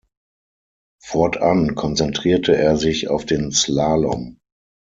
Fortan konzentrierte er sich auf den Slalom.